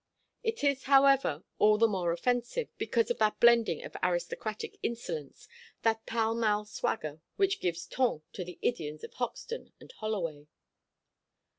It is, however, all the more offensive, because of that blending of aristocratic insolence that Pall Mall swagger which gives ton to the idioms of Hoxton and Holloway.